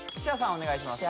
お願いします